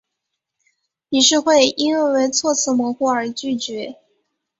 理事会因为措辞模糊而拒绝。